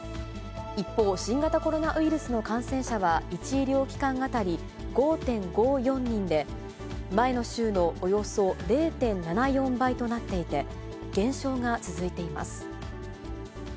一方、新型コロナウイルスの感染者は、１医療機関当たり５．５４人で、前の週のおよそ０．７４倍となっていて、減少が続いています。